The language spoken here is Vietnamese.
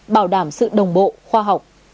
bảo đảm sự đồng bộ khoa học